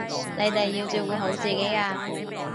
你哋要照顧好自己啊